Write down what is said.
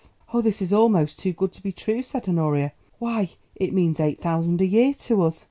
'" "Oh, this is almost too good to be true," said Honoria. "Why, it means eight thousand a year to us."